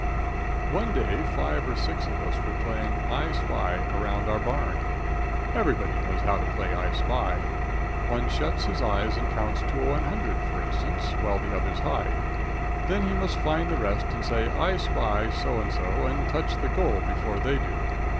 One day five or six of us were playing "I spy" around our barn. Every body knows how to play "I spy." One shuts his eyes and counts 100, for instance, while the others hide. Then he must find the rest and say "I spy" so and so and touch the "goal" before they do.